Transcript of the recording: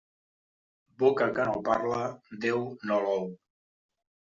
Boca que no parla, Déu no l'ou.